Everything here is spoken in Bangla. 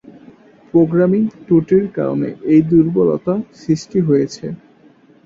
প্রোগ্রামিং ত্রুটির কারণে এই দুর্বলতা সৃষ্টি হয়েছে।